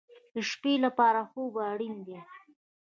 د شپې لپاره خوب اړین دی